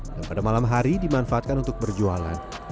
dan pada malam hari dimanfaatkan untuk berjualan